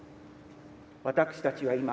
私たちは今、